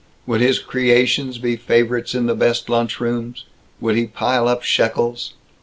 Would his creations be favorites in the best lunch rooms? Would he pile up shekels?